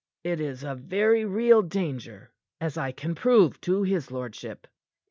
"It is a very real danger, as I can prove to his lordship."